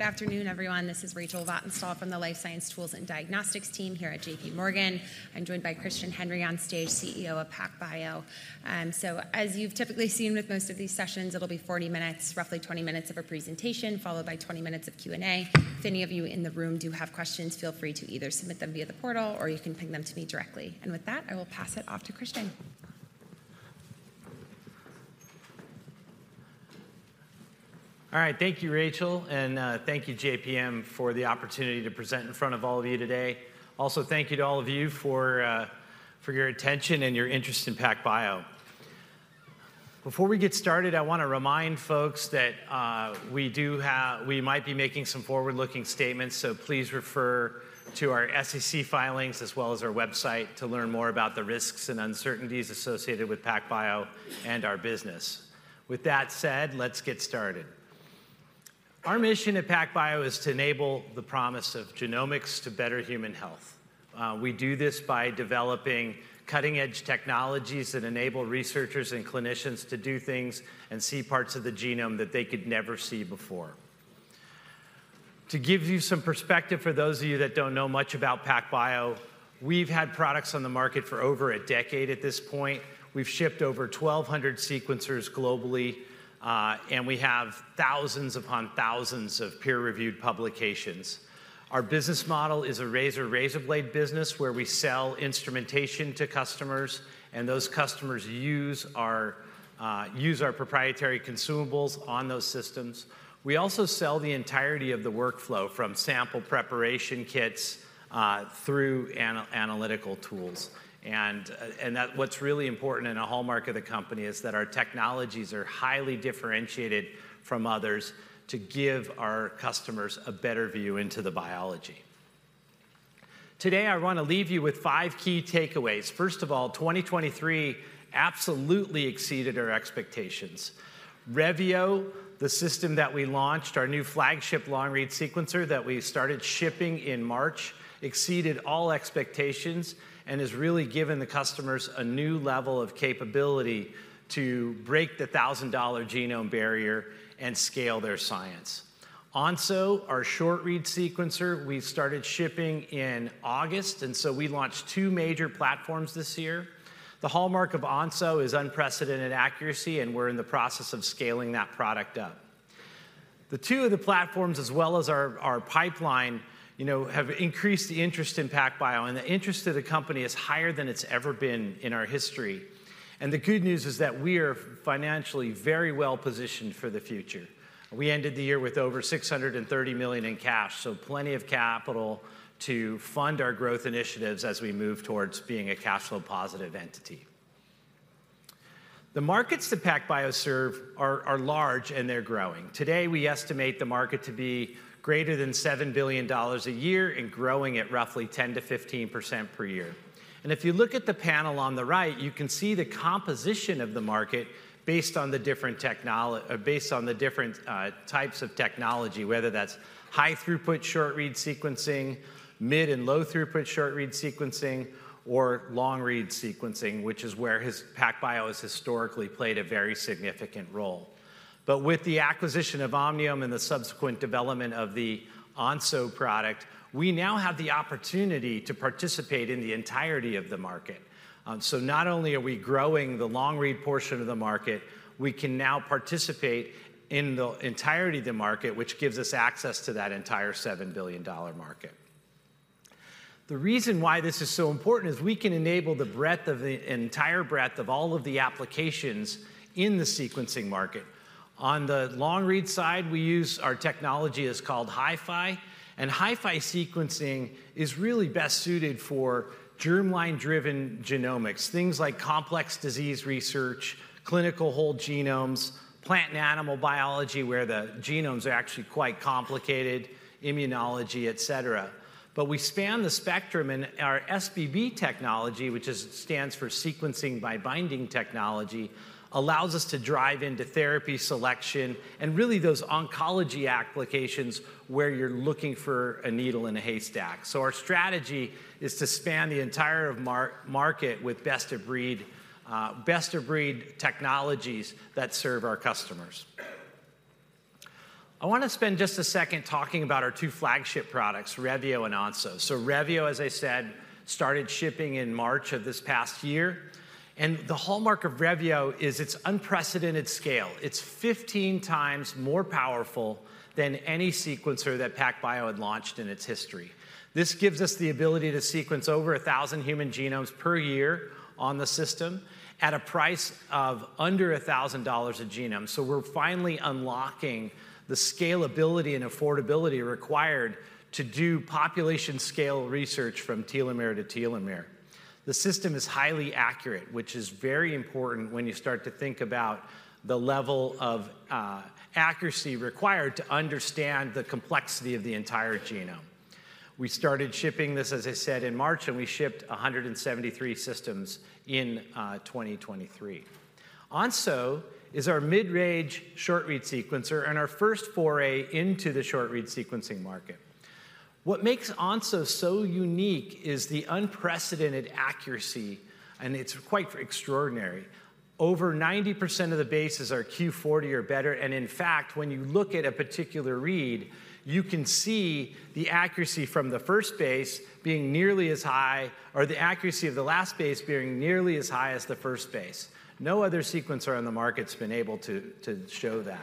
Good afternoon, everyone. This is Rachel Vatnsdal from the Life Science Tools and Diagnostics team here at J.P. Morgan. I'm joined by Christian Henry on stage, CEO of PacBio. So as you've typically seen with most of these sessions, it'll be 40 minutes, roughly 20 minutes of a presentation, followed by 20 minutes of Q&A. If any of you in the room do have questions, feel free to either submit them via the portal, or you can ping them to me directly. With that, I will pass it off to Christian. All right. Thank you, Rachel, and thank you, JPM, for the opportunity to present in front of all of you today. Also, thank you to all of you for your attention and your interest in PacBio. Before we get started, I want to remind folks that we might be making some forward-looking statements, so please refer to our SEC filings as well as our website to learn more about the risks and uncertainties associated with PacBio and our business. With that said, let's get started. Our mission at PacBio is to enable the promise of genomics to better human health. We do this by developing cutting-edge technologies that enable researchers and clinicians to do things and see parts of the genome that they could never see before. To give you some perspective, for those of you that don't know much about PacBio, we've had products on the market for over a decade at this point. We've shipped over 1,200 sequencers globally, and we have thousands upon thousands of peer-reviewed publications. Our business model is a razor-razor blade business, where we sell instrumentation to customers, and those customers use our proprietary consumables on those systems. We also sell the entirety of the workflow from sample preparation kits through analytical tools. And that, what's really important and a hallmark of the company, is that our technologies are highly differentiated from others to give our customers a better view into the biology. Today, I want to leave you with five key takeaways. First of all, 2023 absolutely exceeded our expectations. Revio, the system that we launched, our new flagship long-read sequencer that we started shipping in March, exceeded all expectations and has really given the customers a new level of capability to break the 1,000-dollar genome barrier and scale their science. Onso, our short-read sequencer, we started shipping in August, and so we launched two major platforms this year. The hallmark of Onso is unprecedented accuracy, and we're in the process of scaling that product up. The two of the platforms, as well as our pipeline, you know, have increased the interest in PacBio, and the interest of the company is higher than it's ever been in our history. The good news is that we are financially very well positioned for the future. We ended the year with over $630 million in cash, so plenty of capital to fund our growth initiatives as we move towards being a cash flow positive entity. The markets that PacBio serve are large and they're growing. Today, we estimate the market to be greater than $7 billion a year and growing at roughly 10%-15% per year. And if you look at the panel on the right, you can see the composition of the market based on the different types of technology, whether that's high-throughput, short-read sequencing, mid and low-throughput, short-read sequencing, or long-read sequencing, which is where PacBio has historically played a very significant role. But with the acquisition of Omniome and the subsequent development of the Onso product, we now have the opportunity to participate in the entirety of the market. So not only are we growing the long-read portion of the market, we can now participate in the entirety of the market, which gives us access to that entire $7 billion market. The reason why this is so important is we can enable the entire breadth of all of the applications in the sequencing market. On the long-read side, we use our technology is called HiFi, and HiFi sequencing is really best suited for germline-driven genomics, things like complex disease research, clinical whole genomes, plant and animal biology, where the genomes are actually quite complicated, immunology, et cetera. But we span the spectrum, and our SBB technology, which stands for Sequencing by Binding technology, allows us to drive into therapy selection and really those oncology applications where you're looking for a needle in a haystack. So our strategy is to span the entire market with best-of-breed, best-of-breed technologies that serve our customers. I want to spend just a second talking about our two flagship products, Revio and Onso. So Revio, as I said, started shipping in March of this past year, and the hallmark of Revio is its unprecedented scale. It's 15 times more powerful than any sequencer that PacBio had launched in its history. This gives us the ability to sequence over 1,000 human genomes per year on the system at a price of under $1,000 a genome. So we're finally unlocking the scalability and affordability required to do population-scale research from telomere to telomere. The system is highly accurate, which is very important when you start to think about the level of accuracy required to understand the complexity of the entire genome. We started shipping this, as I said, in March, and we shipped 173 systems in 2023. Onso is our mid-range short-read sequencer and our first foray into the short-read sequencing market. What makes Onso so unique is the unprecedented accuracy, and it's quite extraordinary. Over 90% of the bases are Q40 or better, and in fact, when you look at a particular read, you can see the accuracy from the first base being nearly as high, or the accuracy of the last base being nearly as high as the first base. No other sequencer on the market's been able to show that.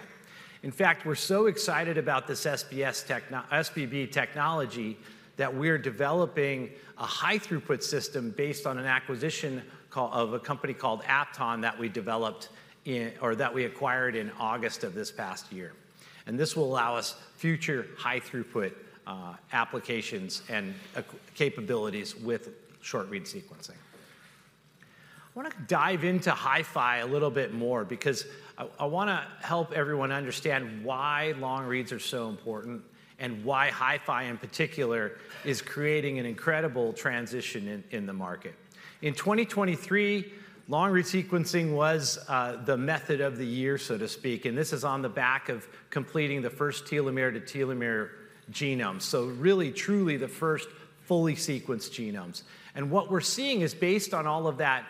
In fact, we're so excited about this SBB technology that we're developing a high-throughput system based on an acquisition of a company called Apton that we acquired in August of this past year. And this will allow us future high-throughput applications and capabilities with short-read sequencing. I want to dive into HiFi a little bit more because I wanna help everyone understand why long reads are so important and why HiFi, in particular, is creating an incredible transition in the market. In 2023, long-read sequencing was the Method of the Year, so to speak, and this is on the back of completing the first telomere to telomere genome. So really, truly, the first fully sequenced genomes. And what we're seeing is based on all of that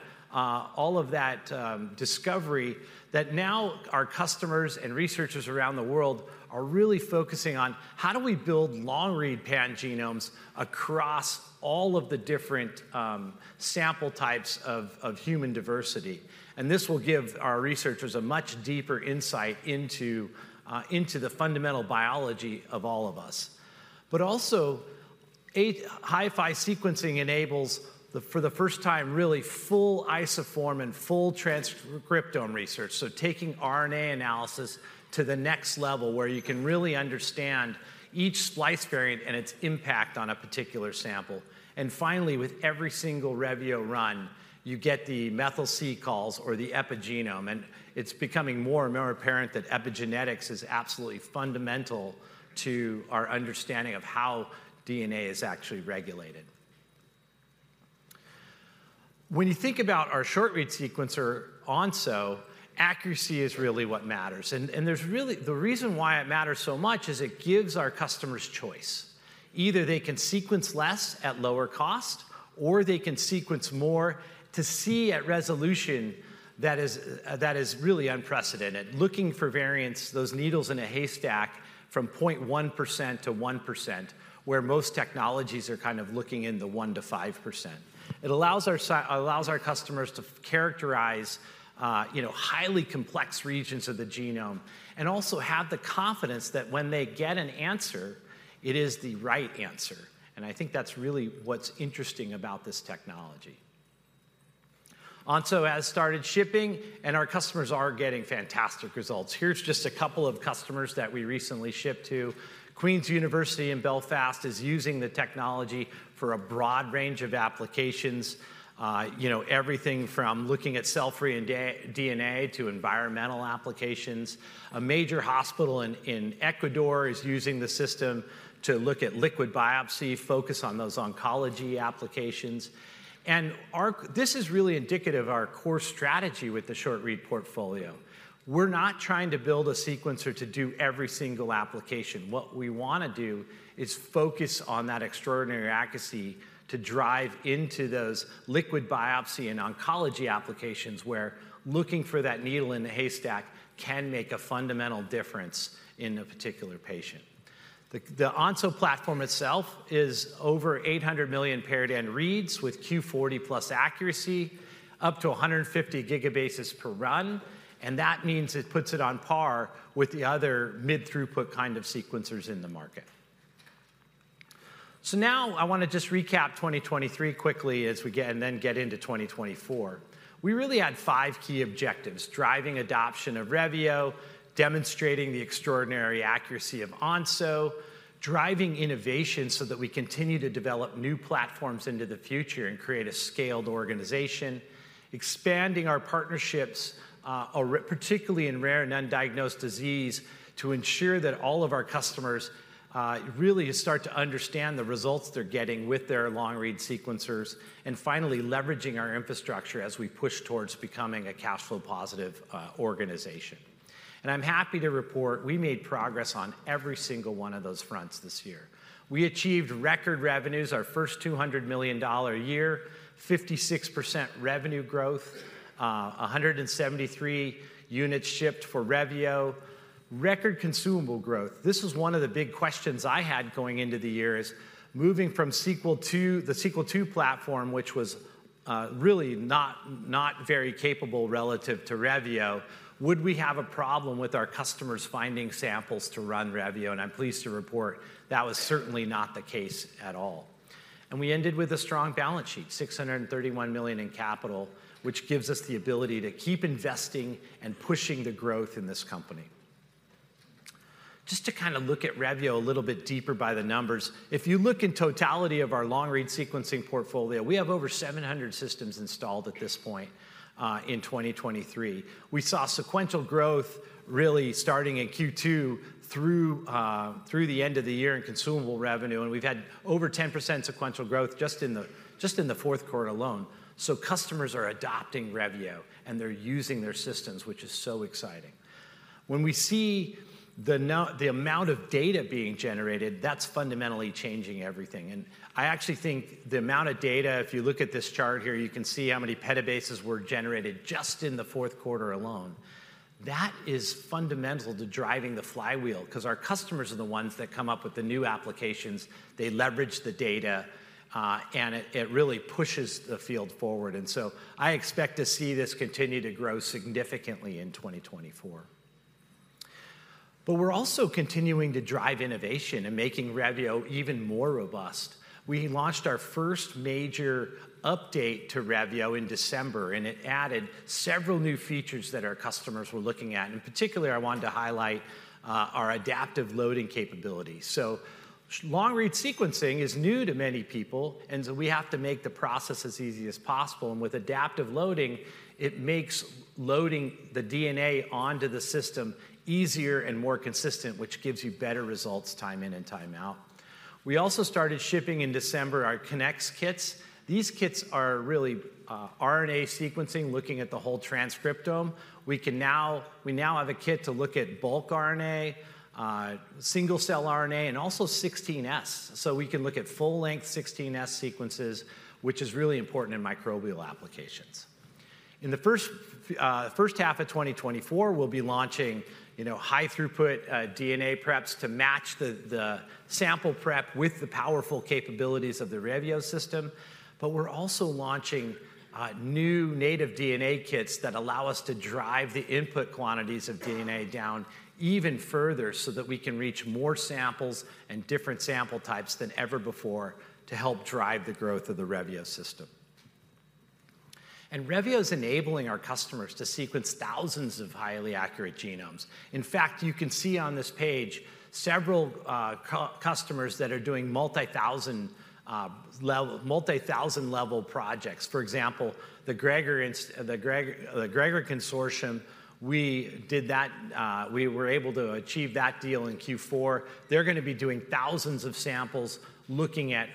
discovery, that now our customers and researchers around the world are really focusing on: how do we build long-read pangenomes across all of the different sample types of human diversity? And this will give our researchers a much deeper insight into the fundamental biology of all of us. But also, HiFi sequencing enables, for the first time, really full isoform and full transcriptome research. So taking RNA analysis to the next level, where you can really understand each splice variant and its impact on a particular sample. And finally, with every single Revio run, you get the methyl-C calls or the epigenome, and it's becoming more and more apparent that epigenetics is absolutely fundamental to our understanding of how DNA is actually regulated. When you think about our short-read sequencer, Onso, accuracy is really what matters. And there's really the reason why it matters so much is it gives our customers choice. Either they can sequence less at lower cost, or they can sequence more to see at resolution that is really unprecedented, looking for variants, those needles in a haystack, from 0.1% to 1%, where most technologies are kind of looking in the 1%-5%. It allows our customers to characterize, you know, highly complex regions of the genome, and also have the confidence that when they get an answer, it is the right answer. And I think that's really what's interesting about this technology. Onso has started shipping, and our customers are getting fantastic results. Here's just a couple of customers that we recently shipped to. Queen's University Belfast is using the technology for a broad range of applications. You know, everything from looking at cell-free DNA to environmental applications. A major hospital in Ecuador is using the system to look at liquid biopsy, focus on those oncology applications. And this is really indicative of our core strategy with the short-read portfolio. We're not trying to build a sequencer to do every single application. What we wanna do is focus on that extraordinary accuracy to drive into those liquid biopsy and oncology applications, where looking for that needle in the haystack can make a fundamental difference in a particular patient. The Onso platform itself is over 800 million paired-end reads with Q40+ accuracy, up to 150 gigabases per run, and that means it puts it on par with the other mid-throughput kind of sequencers in the market. So now I want to just recap 2023 quickly as we get into 2024. We really had five key objectives: driving adoption of Revio, demonstrating the extraordinary accuracy of Onso, driving innovation so that we continue to develop new platforms into the future and create a scaled organization, expanding our partnerships particularly in rare and undiagnosed disease, to ensure that all of our customers really start to understand the results they're getting with their long-read sequencers, and finally, leveraging our infrastructure as we push towards becoming a cash flow positive organization. I'm happy to report we made progress on every single one of those fronts this year. We achieved record revenues, our first $200 million a year, 56% revenue growth, 173 units shipped for Revio, record consumable growth. This was one of the big questions I had going into the year is: moving from Sequel II, the Sequel II platform, which was really not very capable relative to Revio, would we have a problem with our customers finding samples to run Revio? I'm pleased to report that was certainly not the case at all. We ended with a strong balance sheet, $631 million in capital, which gives us the ability to keep investing and pushing the growth in this company. Just to kind of look at Revio a little bit deeper by the numbers, if you look in totality of our long-read sequencing portfolio, we have over 700 systems installed at this point in 2023. We saw sequential growth really starting in Q2 through the end of the year in consumable revenue, and we've had over 10% sequential growth just in the fourth quarter alone. So customers are adopting Revio, and they're using their systems, which is so exciting. When we see the amount of data being generated, that's fundamentally changing everything. And I actually think the amount of data, if you look at this chart here, you can see how many petabases were generated just in the fourth quarter alone. That is fundamental to driving the flywheel, 'cause our customers are the ones that come up with the new applications, they leverage the data, and it, it really pushes the field forward. And so I expect to see this continue to grow significantly in 2024. But we're also continuing to drive innovation and making Revio even more robust. We launched our first major update to Revio in December, and it added several new features that our customers were looking at, and particularly I wanted to highlight our adaptive loading capability. So long-read sequencing is new to many people, and so we have to make the process as easy as possible. And with adaptive loading, it makes loading the DNA onto the system easier and more consistent, which gives you better results time in and time out. We also started shipping in December, our Kinnex kits. These kits are really RNA sequencing, looking at the whole transcriptome. We now have a kit to look at bulk RNA, single-cell RNA, and also 16S. So we can look at full-length 16S sequences, which is really important in microbial applications. In the first half of 2024, we'll be launching, you know, high-throughput DNA preps to match the sample prep with the powerful capabilities of the Revio system. But we're also launching new native DNA kits that allow us to drive the input quantities of DNA down even further, so that we can reach more samples and different sample types than ever before to help drive the growth of the Revio system. And Revio is enabling our customers to sequence thousands of highly accurate genomes. In fact, you can see on this page several customers that are doing multi-thousand level, multi-thousand-level projects. For example, the GREGoR Consortium, we did that-- we were able to achieve that deal in Q4. They're going to be doing thousands of samples, looking at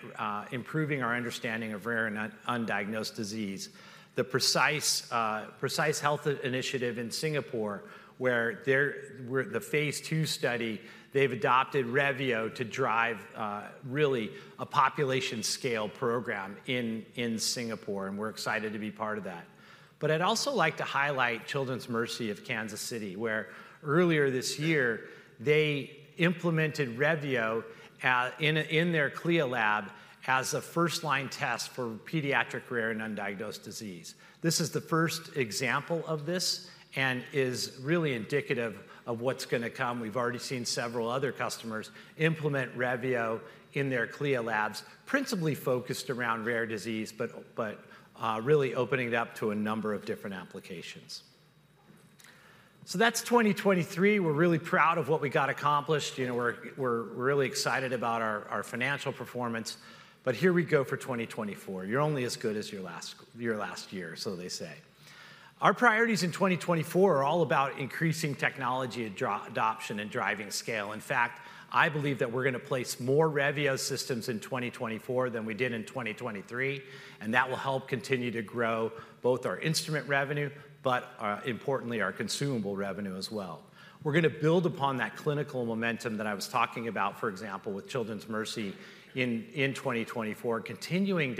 improving our understanding of rare and undiagnosed disease. The precise, PRECISE Health Initiative in Singapore, where they're-- where the phase two study, they've adopted Revio to drive really a population-scale program in Singapore, and we're excited to be part of that. But I'd also like to highlight Children's Mercy Kansas City, where earlier this year, they implemented Revio in their CLIA lab, as a first-line test for pediatric, rare, and undiagnosed disease. This is the first example of this and is really indicative of what's going to come. We've already seen several other customers implement Revio in their CLIA labs, principally focused around rare disease, but really opening it up to a number of different applications. So that's 2023. We're really proud of what we got accomplished. You know, we're really excited about our financial performance, but here we go for 2024. You're only as good as your last year, so they say. Our priorities in 2024 are all about increasing technology adoption and driving scale. In fact, I believe that we're going to place more Revio systems in 2024 than we did in 2023, and that will help continue to grow both our instrument revenue, but importantly, our consumable revenue as well. We're going to build upon that clinical momentum that I was talking about, for example, with Children's Mercy in 2024, continuing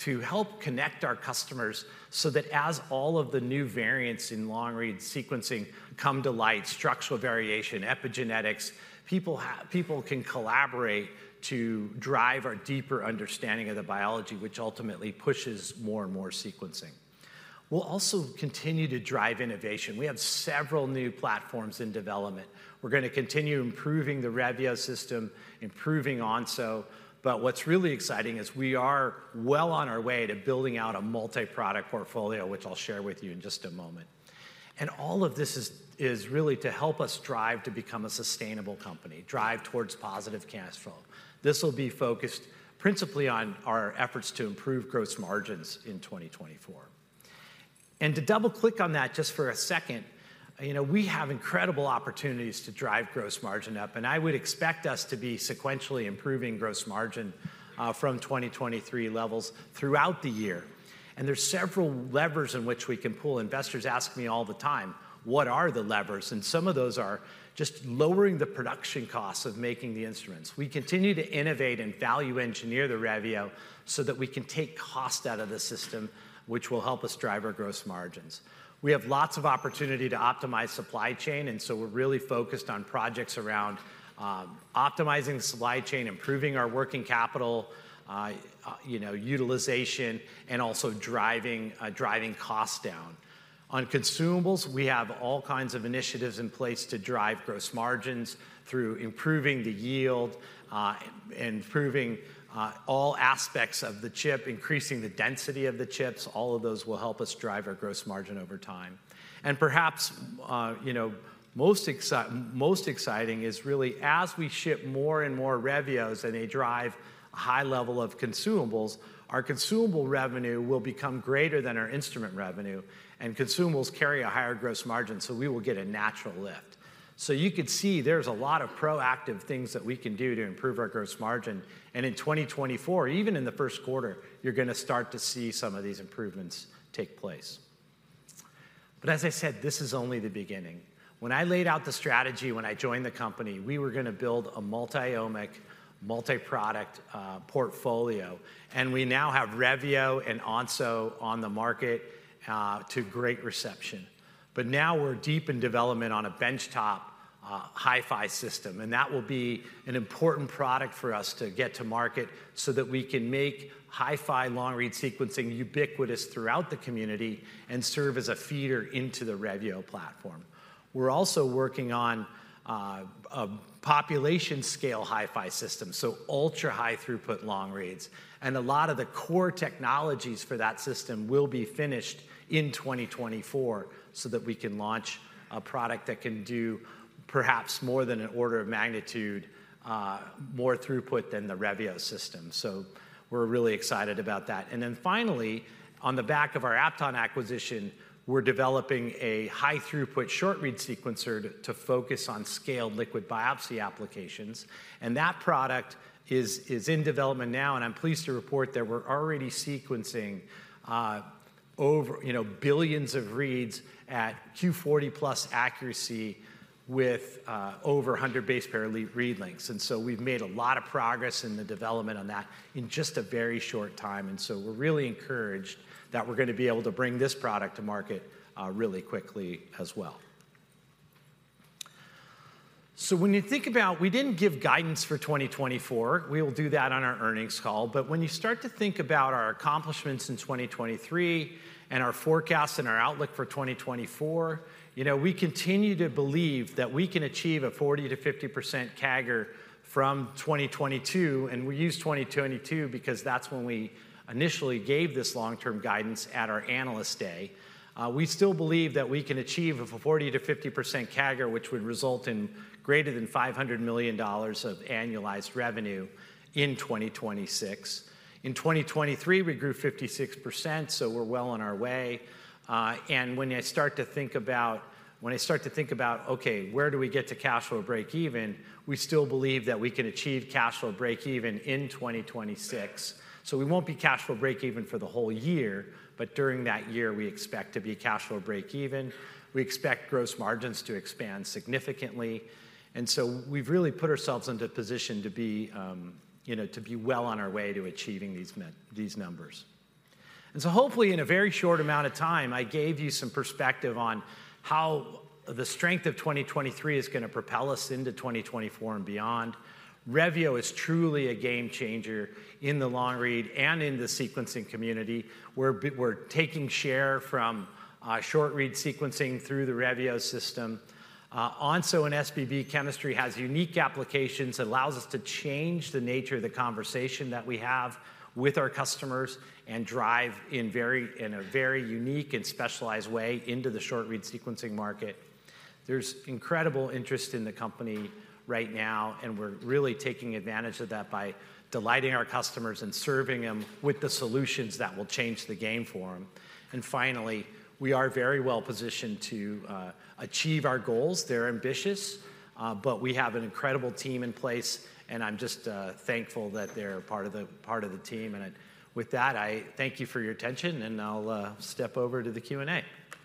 to help connect our customers so that as all of the new variants in long-read sequencing come to light, structural variation, epigenetics, people can collaborate to drive our deeper understanding of the biology, which ultimately pushes more and more sequencing. We'll also continue to drive innovation. We have several new platforms in development. We're going to continue improving the Revio system, improving Onso, but what's really exciting is we are well on our way to building out a multi-product portfolio, which I'll share with you in just a moment. And all of this is really to help us drive to become a sustainable company, drive towards positive cash flow. This will be focused principally on our efforts to improve gross margins in 2024. To double-click on that just for a second, you know, we have incredible opportunities to drive gross margin up, and I would expect us to be sequentially improving gross margin from 2023 levels throughout the year. There's several levers in which we can pull. Investors ask me all the time, "What are the levers?" Some of those are just lowering the production costs of making the instruments. We continue to innovate and value-engineer the Revio so that we can take cost out of the system, which will help us drive our gross margins. We have lots of opportunity to optimize supply chain, and so we're really focused on projects around optimizing the supply chain, improving our working capital, you know, utilization, and also driving costs down. On consumables, we have all kinds of initiatives in place to drive gross margins through improving the yield, improving all aspects of the chip, increasing the density of the chips. All of those will help us drive our gross margin over time. Perhaps, you know, most exciting is really as we ship more and more Revios and they drive a high level of consumables, our consumable revenue will become greater than our instrument revenue, and consumables carry a higher gross margin, so we will get a natural lift. So you could see there's a lot of proactive things that we can do to improve our gross margin. And in 2024, even in the first quarter, you're gonna start to see some of these improvements take place. But as I said, this is only the beginning. When I laid out the strategy when I joined the company, we were gonna build a multi-omic, multi-product portfolio, and we now have Revio and Onso on the market to great reception. But now we're deep in development on a benchtop HiFi system, and that will be an important product for us to get to market so that we can make HiFi long-read sequencing ubiquitous throughout the community and serve as a feeder into the Revio platform. We're also working on a population-scale HiFi system, so ultra-high throughput long reads, and a lot of the core technologies for that system will be finished in 2024, so that we can launch a product that can do perhaps more than an order of magnitude more throughput than the Revio system. So we're really excited about that. And then finally, on the back of our Apton acquisition, we're developing a high-throughput short-read sequencer to focus on scaled liquid biopsy applications, and that product is in development now, and I'm pleased to report that we're already sequencing over, you know, billions of reads at Q40+ accuracy with over 100 base pair long read lengths. And so we've made a lot of progress in the development on that in just a very short time, and so we're really encouraged that we're going to be able to bring this product to market really quickly as well. So when you think about, we didn't give guidance for 2024, we will do that on our earnings call. But when you start to think about our accomplishments in 2023 and our forecast and our outlook for 2024, you know, we continue to believe that we can achieve a 40%-50% CAGR from 2022, and we use 2022 because that's when we initially gave this long-term guidance at our Analyst Day. We still believe that we can achieve a 40%-50% CAGR, which would result in greater than $500 million of annualized revenue in 2026. In 2023, we grew 56%, so we're well on our way. And when you start to think about, when I start to think about, "Okay, where do we get to cash flow breakeven?" We still believe that we can achieve cash flow breakeven in 2026. So we won't be cash flow breakeven for the whole year, but during that year, we expect to be cash flow breakeven. We expect gross margins to expand significantly, and so we've really put ourselves into a position to be, you know, to be well on our way to achieving these numbers. And so hopefully, in a very short amount of time, I gave you some perspective on how the strength of 2023 is going to propel us into 2024 and beyond. Revio is truly a game changer in the long-read and in the sequencing community. We're taking share from short-read sequencing through the Revio system. Onso and SBB chemistry has unique applications that allows us to change the nature of the conversation that we have with our customers and drive in very, in a very unique and specialized way into the short-read sequencing market. There's incredible interest in the company right now, and we're really taking advantage of that by delighting our customers and serving them with the solutions that will change the game for them. And finally, we are very well positioned to achieve our goals. They're ambitious, but we have an incredible team in place, and I'm just thankful that they're part of the, part of the team. And I—with that, I thank you for your attention, and I'll step over to the Q&A. Perfect. Thank you, Christian. So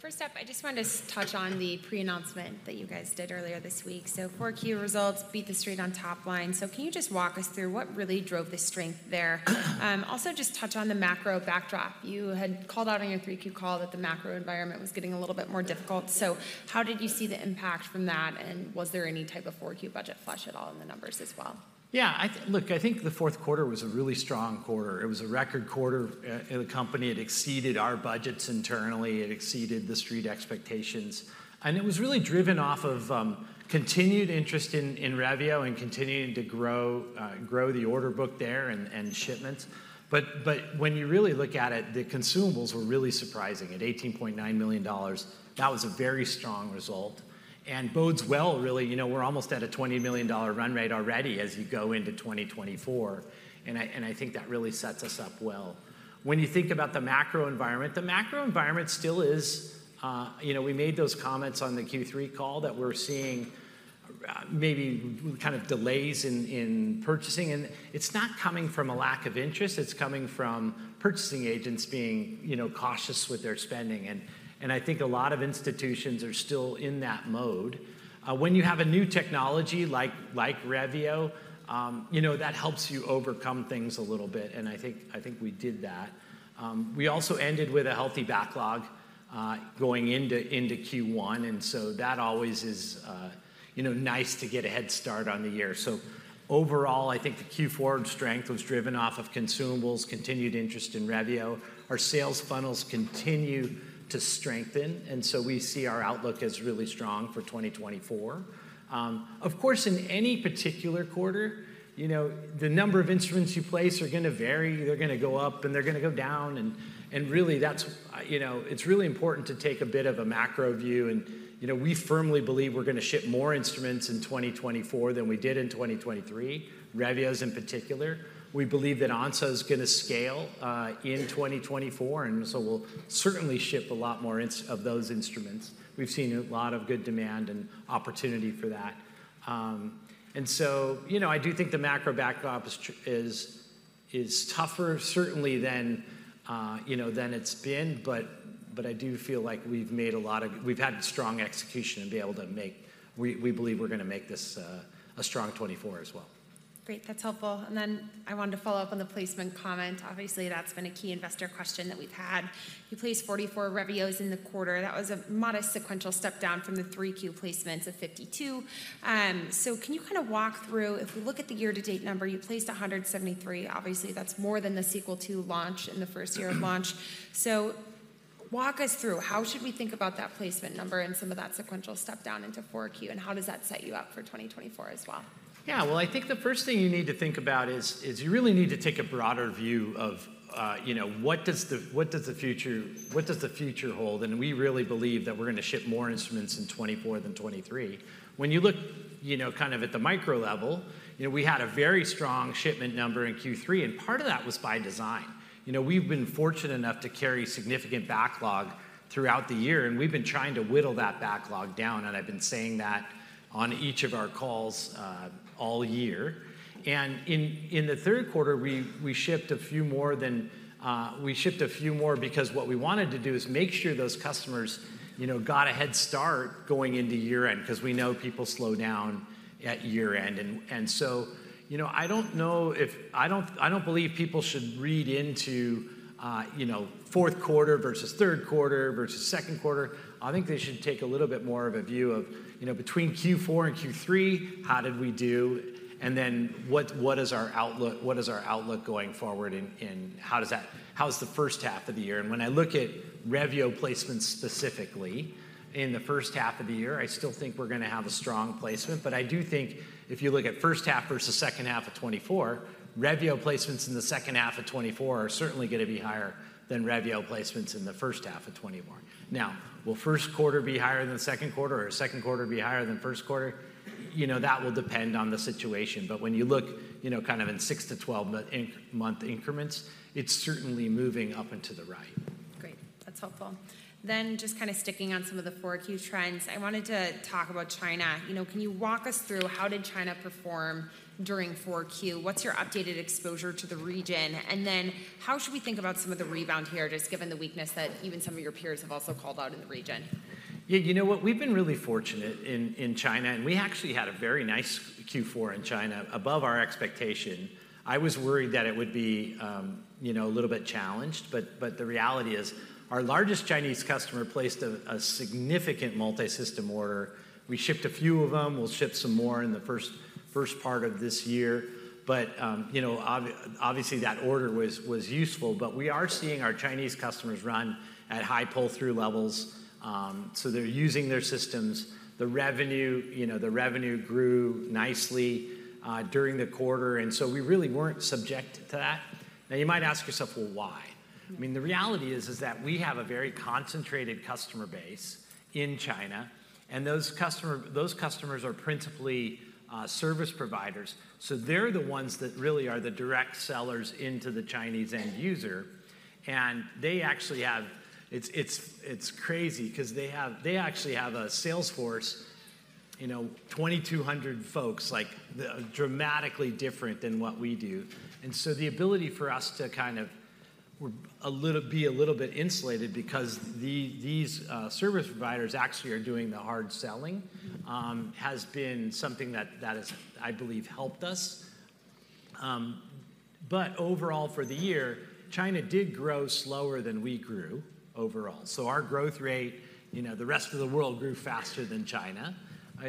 first up, I just wanted to touch on the pre-announcement that you guys did earlier this week. So 4Q results beat the street on top line. So can you just walk us through what really drove the strength there? Also, just touch on the macro backdrop. You had called out on your 3Q call that the macro environment was getting a little bit more difficult. So how did you see the impact from that, and was there any type of 4Q budget flush at all in the numbers as well? Yeah, look, I think the fourth quarter was a really strong quarter. It was a record quarter, the company, it exceeded our budgets internally, it exceeded the street expectations. And it was really driven off of continued interest in Revio and continuing to grow the order book there and shipments. But when you really look at it, the consumables were really surprising. At $18.9 million, that was a very strong result, and bodes well, really. You know, we're almost at a $20 million run rate already as you go into 2024, and I think that really sets us up well. When you think about the macro environment, the macro environment still is... You know, we made those comments on the Q3 call that we're seeing maybe kind of delays in purchasing, and it's not coming from a lack of interest, it's coming from purchasing agents being, you know, cautious with their spending, and I think a lot of institutions are still in that mode. When you have a new technology like Revio, you know, that helps you overcome things a little bit, and I think we did that. We also ended with a healthy backlog going into Q1, and so that always is, you know, nice to get a head start on the year. So overall, I think the Q4 strength was driven off of consumables, continued interest in Revio. Our sales funnels continue to strengthen, and so we see our outlook as really strong for 2024. Of course, in any particular quarter, you know, the number of instruments you place are gonna vary. They're gonna go up, and they're gonna go down, and really, that's, you know, it's really important to take a bit of a macro view, and, you know, we firmly believe we're gonna ship more instruments in 2024 than we did in 2023, Revio in particular. We believe that Onso is gonna scale in 2024, and so we'll certainly ship a lot more instruments. We've seen a lot of good demand and opportunity for that. And so, you know, I do think the macro backdrop is. is tougher certainly than, you know, than it's been, but I do feel like we've had strong execution and be able to make—we believe we're gonna make this a strong 2024 as well. Great, that's helpful. Then I wanted to follow up on the placement comment. Obviously, that's been a key investor question that we've had. You placed 44 Revios in the quarter. That was a modest sequential step down from the 3Q placements of 52. So can you kinda walk through, if we look at the year-to-date number, you placed 173. Obviously, that's more than the Sequel II launch in the first year of launch. So walk us through, how should we think about that placement number and some of that sequential step down into 4Q, and how does that set you up for 2024 as well? Yeah. Well, I think the first thing you need to think about is you really need to take a broader view of, you know, what does the future hold? And we really believe that we're gonna ship more instruments in 2024 than 2023. When you look, you know, kind of at the micro level, you know, we had a very strong shipment number in Q3, and part of that was by design. You know, we've been fortunate enough to carry significant backlog throughout the year, and we've been trying to whittle that backlog down, and I've been saying that on each of our calls all year. And in the third quarter, we shipped a few more because what we wanted to do is make sure those customers, you know, got a head start going into year-end, 'cause we know people slow down at year-end. And so, you know, I don't believe people should read into, you know, fourth quarter versus third quarter versus second quarter. I think they should take a little bit more of a view of, you know, between Q4 and Q3, how did we do? And then, what is our outlook, what is our outlook going forward and how is the first half of the year? And when I look at Revio placements specifically in the first half of the year, I still think we're gonna have a strong placement. But I do think if you look at first half versus second half of 2024, Revio placements in the second half of 2024 are certainly gonna be higher than Revio placements in the first half of 2024. Now, will first quarter be higher than second quarter, or second quarter be higher than first quarter? You know, that will depend on the situation. But when you look, you know, kind of in 6-12 month increments, it's certainly moving up and to the right. Great. That's helpful. Just kinda sticking on some of the 4Q trends, I wanted to talk about China. You know, can you walk us through how did China perform during 4Q? What's your updated exposure to the region? And then, how should we think about some of the rebound here, just given the weakness that even some of your peers have also called out in the region? Yeah, you know what? We've been really fortunate in China, and we actually had a very nice Q4 in China, above our expectation. I was worried that it would be, you know, a little bit challenged, but the reality is, our largest Chinese customer placed a significant multisystem order. We shipped a few of them. We'll ship some more in the first part of this year. But, you know, obviously, that order was useful, but we are seeing our Chinese customers run at high pull-through levels. So they're using their systems. The revenue, you know, the revenue grew nicely during the quarter, and so we really weren't subject to that. Now, you might ask yourself, "Well, why? Mm-hmm. I mean, the reality is, is that we have a very concentrated customer base in China, and those customers are principally service providers. So they're the ones that really are the direct sellers into the Chinese end user, and they actually have... It's crazy 'cause they actually have a sales force, you know, 2,200 folks, like, dramatically different than what we do. And so the ability for us to kind of we're a little bit insulated because these service providers actually are doing the hard selling- Mm-hmm... has been something that has, I believe, helped us. But overall, for the year, China did grow slower than we grew overall. So our growth rate, you know, the rest of the world grew faster than China.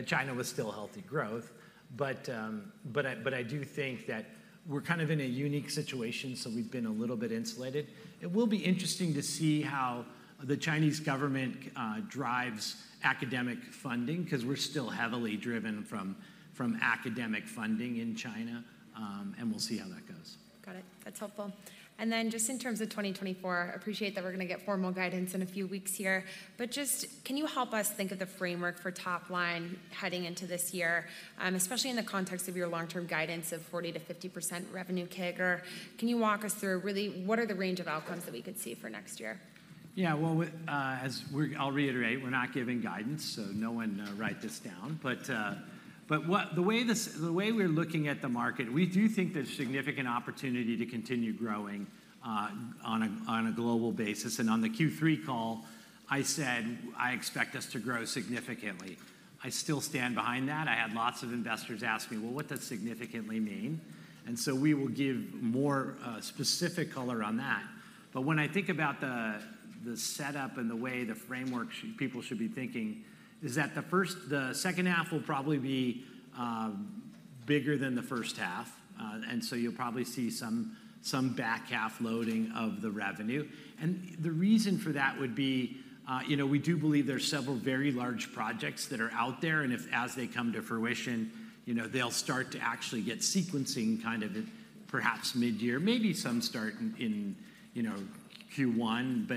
China was still healthy growth, but I do think that we're kind of in a unique situation, so we've been a little bit insulated. It will be interesting to see how the Chinese government drives academic funding, 'cause we're still heavily driven from academic funding in China, and we'll see how that goes. Got it. That's helpful. And then just in terms of 2024, appreciate that we're gonna get formal guidance in a few weeks here, but just can you help us think of the framework for top line heading into this year, especially in the context of your long-term guidance of 40%-50% revenue CAGR? Can you walk us through, really, what are the range of outcomes that we could see for next year? Yeah, well, as we're, I'll reiterate, we're not giving guidance, so no one write this down. But the way we're looking at the market, we do think there's significant opportunity to continue growing on a global basis. And on the Q3 call, I said I expect us to grow significantly. I still stand behind that. I had lots of investors ask me: "Well, what does significantly mean?" And so we will give more specific color on that. But when I think about the setup and the way the framework people should be thinking, is that the second half will probably be bigger than the first half. And so you'll probably see some back half loading of the revenue. And the reason for that would be, you know, we do believe there are several very large projects that are out there, and if as they come to fruition, you know, they'll start to actually get sequencing kind of at perhaps midyear, maybe some start in, you know, Q1.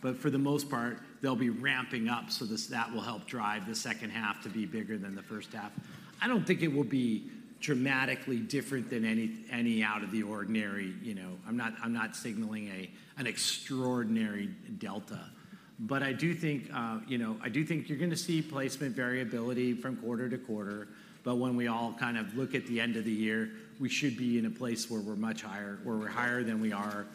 But for the most part, they'll be ramping up, so this, that will help drive the second half to be bigger than the first half. I don't think it will be dramatically different than any out of the ordinary, you know. I'm not signaling an extraordinary delta. But I do think, you know, I do think you're gonna see placement variability from quarter to quarter, but when we all kind of look at the end of the year, we should be in a place where we're much higher, where we're higher than we are,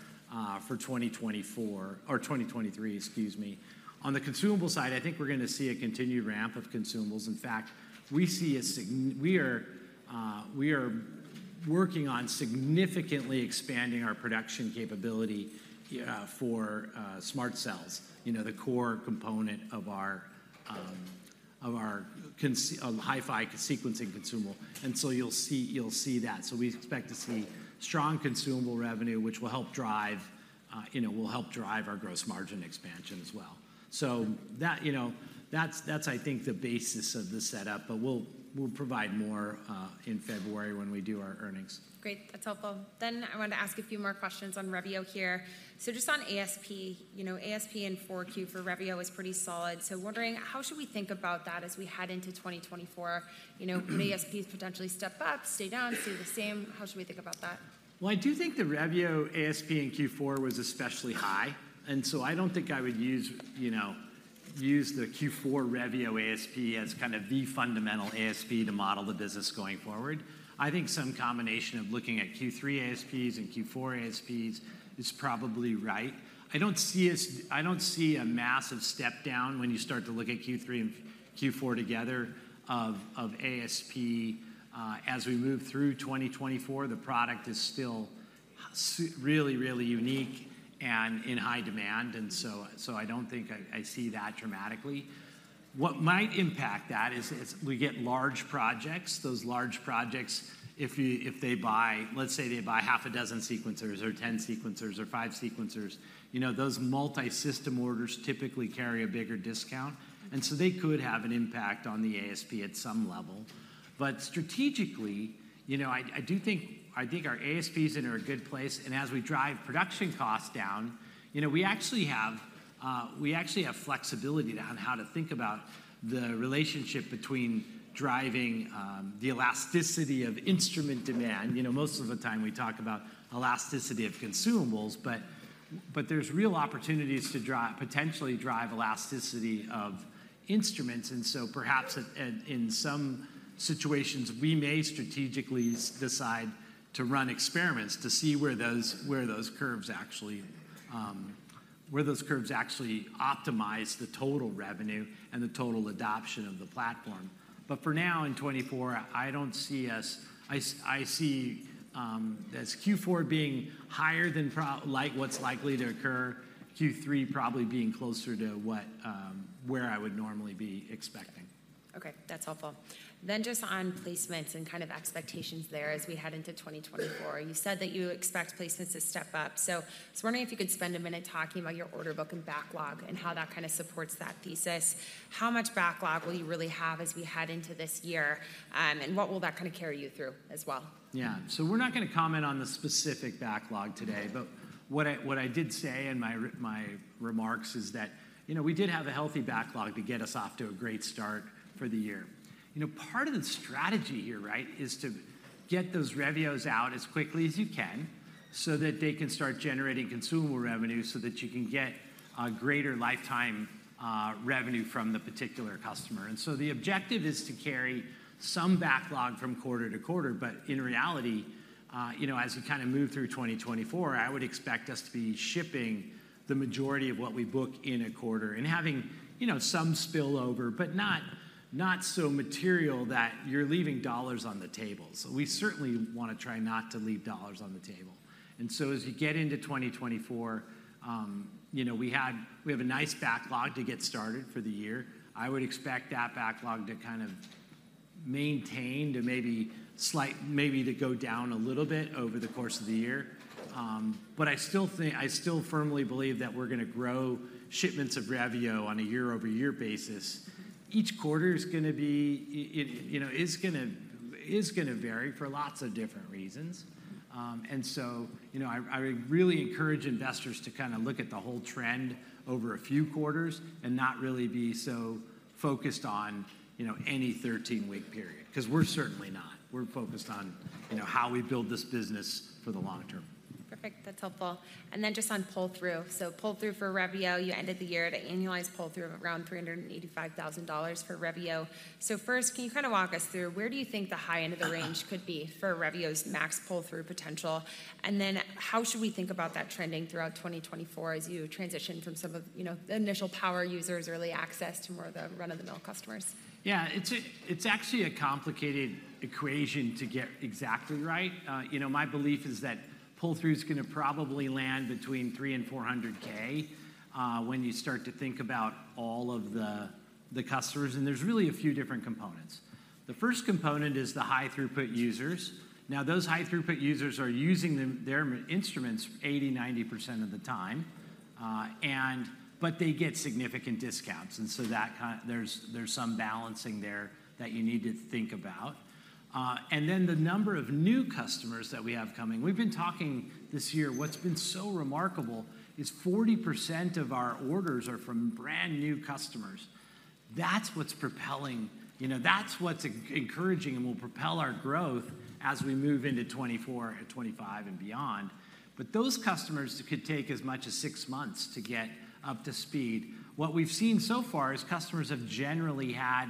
for 2024, or 2023, excuse me. On the consumable side, I think we're gonna see a continued ramp of consumables. In fact, we see a sign—we are, we are working on significantly expanding our production capability, for SMRT cells, you know, the core component of our, of our cons—um, HiFi sequencing consumable. And so you'll see, you'll see that. So we expect to see strong consumable revenue, which will help drive, you know, will help drive our gross margin expansion as well. So that, you know, that's the basis of the setup, but we'll provide more in February when we do our earnings. Great. That's helpful. Then I wanted to ask a few more questions on Revio here. So just on ASP, you know, ASP in 4Q for Revio is pretty solid. So wondering, how should we think about that as we head into 2024? You know. Mm-hmm. Could ASPs potentially step up, stay down, stay the same? How should we think about that? Well, I do think the Revio ASP in Q4 was especially high, and so I don't think I would use, you know, use the Q4 Revio ASP as kind of the fundamental ASP to model the business going forward. I think some combination of looking at Q3 ASPs and Q4 ASPs is probably right. I don't see a massive step down when you start to look at Q3 and Q4 together of ASP. As we move through 2024, the product is still really, really unique and in high demand, and so I don't think I see that dramatically. What might impact that is we get large projects. Those large projects, if you, if they buy, let's say they buy 6 sequencers or 10 sequencers or 5 sequencers, you know, those multi-system orders typically carry a bigger discount, and so they could have an impact on the ASP at some level. But strategically, you know, I think our ASP is in a good place, and as we drive production costs down, you know, we actually have, we actually have flexibility to on how to think about the relationship between driving, the elasticity of instrument demand. You know, most of the time we talk about elasticity of consumables, but there's real opportunities to potentially drive elasticity of instruments, and so perhaps in some situations, we may strategically decide to run experiments to see where those curves actually optimize the total revenue and the total adoption of the platform. But for now, in 2024, I don't see us... I see as Q4 being higher than, like, what's likely to occur, Q3 probably being closer to what where I would normally be expecting. Okay, that's helpful. Then just on placements and kind of expectations there as we head into 2024. You said that you expect placements to step up, so I was wondering if you could spend a minute talking about your order book and backlog and how that kind of supports that thesis. How much backlog will you really have as we head into this year, and what will that kind of carry you through as well? Yeah. So we're not going to comment on the specific backlog today, but what I did say in my remarks is that, you know, we did have a healthy backlog to get us off to a great start for the year. You know, part of the strategy here, right, is to get those Revios out as quickly as you can so that they can start generating consumable revenue so that you can get a greater lifetime revenue from the particular customer. And so the objective is to carry some backlog from quarter to quarter, but in reality, you know, as we kind of move through 2024, I would expect us to be shipping the majority of what we book in a quarter and having, you know, some spillover, but not so material that you're leaving dollars on the table. So we certainly wanna try not to leave dollars on the table. And so as you get into 2024, you know, we have a nice backlog to get started for the year. I would expect that backlog to kind of maintain, to maybe go down a little bit over the course of the year. But I still think, I still firmly believe that we're gonna grow shipments of Revio on a year-over-year basis. Each quarter is gonna be... you know, is gonna vary for lots of different reasons. And so, you know, I really encourage investors to kind of look at the whole trend over a few quarters and not really be so focused on, you know, any 13-week period, 'cause we're certainly not. We're focused on, you know, how we build this business for the long term. Perfect. That's helpful. And then just on pull-through. So pull-through for Revio, you ended the year at an annualized pull-through of around $385,000 for Revio. So first, can you kind of walk us through where do you think the high end of the range could be for Revio's max pull-through potential? And then how should we think about that trending throughout 2024 as you transition from some of, you know, the initial power users early access to more of the run-of-the-mill customers? Yeah, it's actually a complicated equation to get exactly right. You know, my belief is that pull-through's gonna probably land between $300K and $400K, when you start to think about all of the customers, and there's really a few different components. The first component is the high-throughput users. Now, those high-throughput users are using them, their instruments 80%-90% of the time, and but they get significant discounts, and so there's some balancing there that you need to think about. And then the number of new customers that we have coming. We've been talking this year, what's been so remarkable is 40% of our orders are from brand-new customers. That's what's propelling, you know, that's what's encouraging and will propel our growth as we move into 2024 and 2025 and beyond. But those customers could take as much as 6 months to get up to speed. What we've seen so far is customers have generally had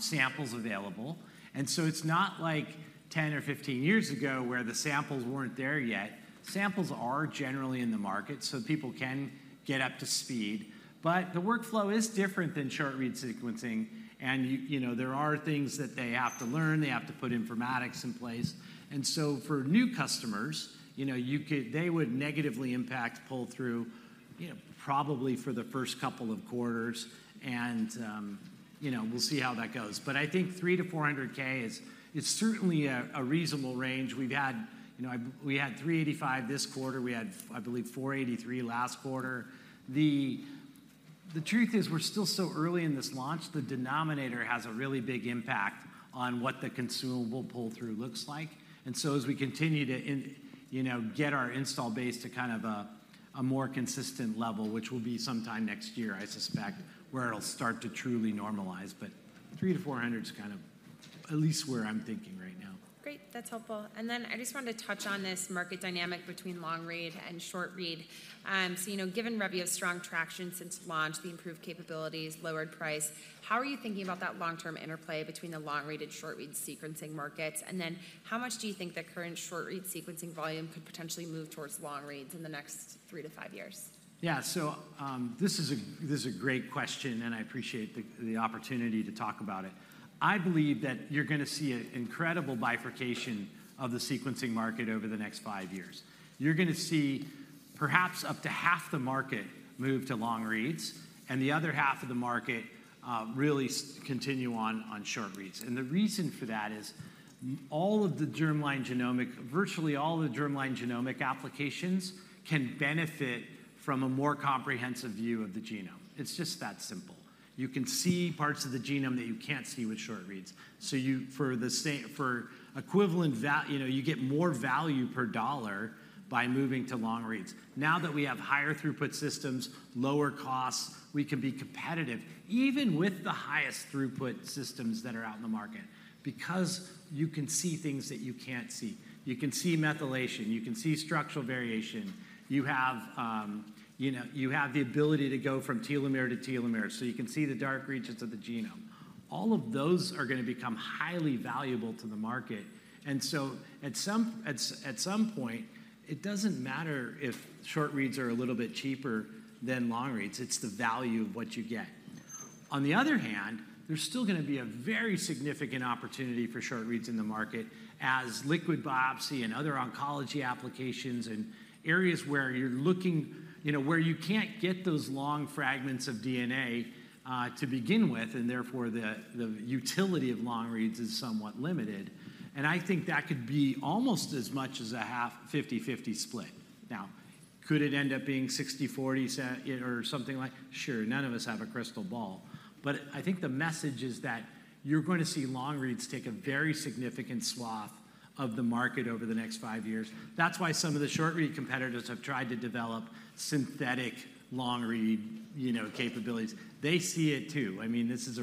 samples available, and so it's not like 10 or 15 years ago where the samples weren't there yet. Samples are generally in the market, so people can get up to speed, but the workflow is different than short-read sequencing, and you, you know, there are things that they have to learn. They have to put informatics in place. And so for new customers, you know, you could- they would negatively impact pull-through, you know, probably for the first couple of quarters and, you know, we'll see how that goes. But I think $300K-$400K is certainly a reasonable range. We've had, you know, we had $385K this quarter. We had, I believe, $483K last quarter. The truth is, we're still so early in this launch, the denominator has a really big impact on what the consumable pull-through looks like. And so as we continue to, you know, get our install base to kind of a more consistent level, which will be sometime next year, I suspect, where it'll start to truly normalize. But 300-400 is kind of at least where I'm thinking right now. Great. That's helpful. And then I just wanted to touch on this market dynamic between long-read and short-read. So, you know, given Revio's strong traction since launch, the improved capabilities, lowered price, how are you thinking about that long-term interplay between the long-read and short-read sequencing markets? And then how much do you think the current short-read sequencing volume could potentially move towards long-reads in the next 3-5 years? Yeah. So, this is a great question, and I appreciate the opportunity to talk about it. I believe that you're gonna see an incredible bifurcation of the sequencing market over the next five years. You're gonna see perhaps up to half the market move to long-reads, and the other half of the market really continue on short-reads. And the reason for that is all of the germline genomics, virtually all of the germline genomics applications can benefit from a more comprehensive view of the genome. It's just that simple. You can see parts of the genome that you can't see with short-reads. So you, for the same, for equivalent you know, you get more value per dollar by moving to long-reads. Now that we have higher throughput systems, lower costs, we can be competitive even with the highest throughput systems that are out in the market, because you can see things that you can't see. You can see methylation, you can see structural variation. You have, you know, you have the ability to go from telomere to telomere, so you can see the dark regions of the genome. All of those are gonna become highly valuable to the market. And so at some point, it doesn't matter if short-reads are a little bit cheaper than long-reads, it's the value of what you get. On the other hand, there's still gonna be a very significant opportunity for short-reads in the market as liquid biopsy and other oncology applications and areas where you're looking... You know, where you can't get those long fragments of DNA to begin with, and therefore, the utility of long-reads is somewhat limited. And I think that could be almost as much as a half, 50/50 split. Now, could it end up being 60/40 or something like? Sure, none of us have a crystal ball. But I think the message is that you're going to see long-reads take a very significant swath of the market over the next five years. That's why some of the short-read competitors have tried to develop synthetic long-read, you know, capabilities. They see it, too. I mean, this is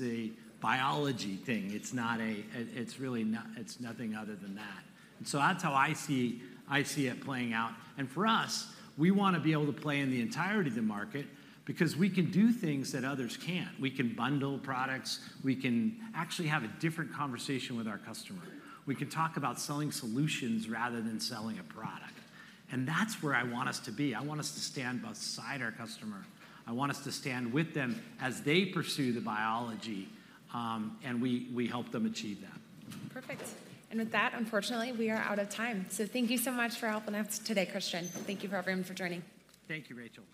a biology thing. It's not a... It's really not, it's nothing other than that. And so that's how I see it playing out. For us, we want to be able to play in the entirety of the market because we can do things that others can't. We can bundle products. We can actually have a different conversation with our customer. We can talk about selling solutions rather than selling a product, and that's where I want us to be. I want us to stand beside our customer. I want us to stand with them as they pursue the biology, and we help them achieve that. Perfect. With that, unfortunately, we are out of time. Thank you so much for helping us today, Christian. Thank you, everyone, for joining. Thank you, Rachel.